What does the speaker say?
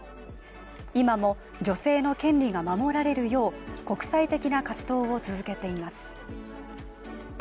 今も、女性の権利が守られるよう、国際的な活動を続けています。